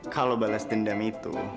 kalau bales dendam itu